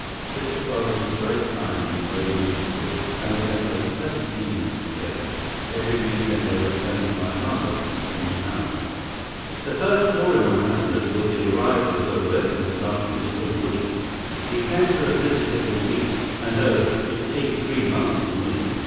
Mr. Carruthers was very kind and very musical, and we had most pleasant evenings together. Every week end I went home to my mother in town. "The first flaw in my happiness was the arrival of the red moustached Mr. Woodley. He came for a visit of a week, and oh, it seemed three months to me!